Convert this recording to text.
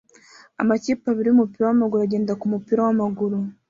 Amakipe abiri yumupira wamaguru agenda kumupira wamaguru